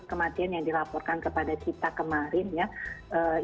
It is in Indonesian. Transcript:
kalau kita lihat ya memang kasus kematian yang dilaporkan kepada kita kemarin ya